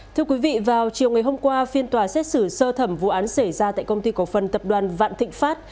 thưa quý vị vào chiều ngày hôm qua phiên tòa xét xử sơ thẩm vụ án xảy ra tại công ty cổ phần tập đoàn vạn thịnh pháp